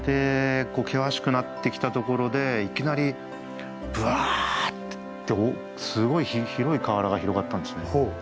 険しくなってきたところでいきなりぶわってすごい広い河原が広がったんですね。